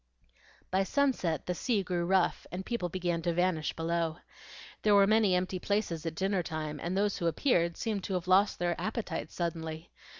By sunset the sea grew rough and people began to vanish below. There were many empty places at dinner time, and those who appeared seemed to have lost their appetites suddenly.